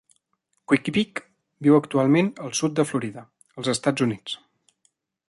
"Quick Vic" viu actualment al sud de Florida, als Estats Units.